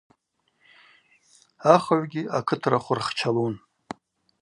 Ахыгӏвгьи акытрахв рхчалун.